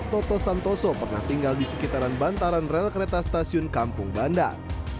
toto santoso pernah tinggal di sekitaran bantaran rel kereta stasiun kampung bandar